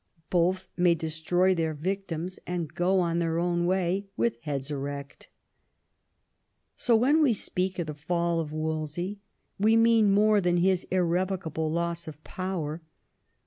Both may destroy their victims, and go on their own way with heads erect. So when we speak of the fall of Wolsey we mean jnore than his irrevocable loss of power.